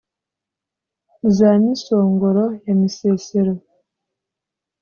Za Misongoro ya Misesero,